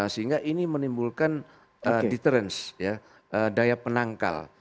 sehingga ini menimbulkan deterens daya penangkal